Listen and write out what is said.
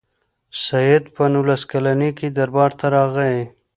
سید په نولس کلني کې دربار ته راغی.